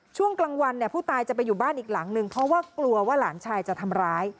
ช่วงกลางวันเนี่ยผู้ตายจะไปอยู่บ้านอีกหลังนึงเพราะว่ากลัวว่าหลานชายจะทำร้าย